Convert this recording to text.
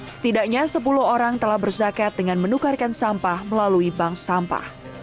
setidaknya sepuluh orang telah berzakat dengan menukarkan sampah melalui bank sampah